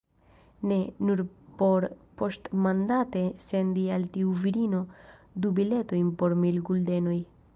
Ne; nur por poŝtmandate sendi al tiu virino du biletojn po mil guldenoj.